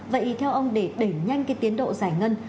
vậy theo ông để đẩy nhanh cái tiến độ giải ngân